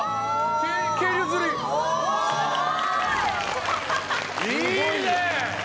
いいねぇ！